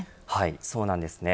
そうなんです。